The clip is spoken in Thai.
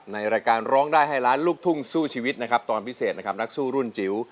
ในรายการร้องได้ให้ล้านลูกทุ่งสู้ชีวิตนะครับตอนพิเศษนะครับนักสู้รุ่นจิ๋ว